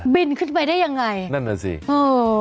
บินขึ้นไปได้ยังไงนั่นเลยสิโอ้อ